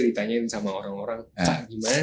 ditanyain sama orang orang pak gimana